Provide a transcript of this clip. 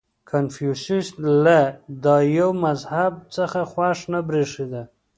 • کنفوسیوس له دایو مذهب څخه خوښ نه برېښېده.